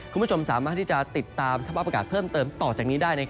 คุณผู้ชมสามารถที่จะติดตามสภาพอากาศเพิ่มเติมต่อจากนี้ได้